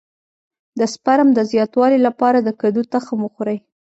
د سپرم د زیاتوالي لپاره د کدو تخم وخورئ